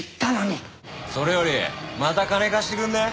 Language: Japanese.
それよりまた金貸してくんねえ？